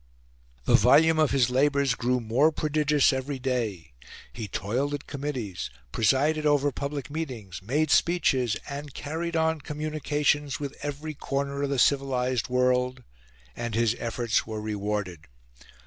The volume of his labours grew more prodigious every day; he toiled at committees, presided over public meetings, made speeches, and carried on communications with every corner of the civilised world and his efforts were rewarded.